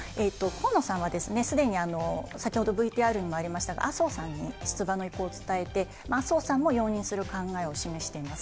河野さんはすでに先ほどＶＴＲにもありましたが、麻生さんに出馬の意向を伝えて、麻生さんも容認する考えを示しています。